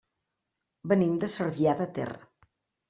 Venim de Cervià de Ter.